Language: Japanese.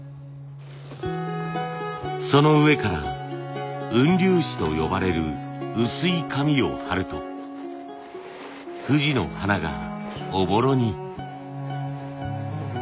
その上から雲竜紙と呼ばれる薄い紙を貼ると藤の花がおぼろに。